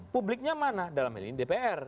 publiknya mana dalam hal ini dpr